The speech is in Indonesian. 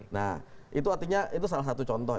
nah itu artinya itu salah satu contoh